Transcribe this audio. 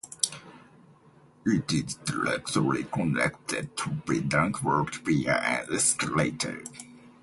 It is directly connected to Bintang Walk via an escalator.